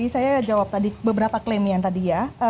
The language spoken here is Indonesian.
saya jawab tadi beberapa klaim yang tadi ya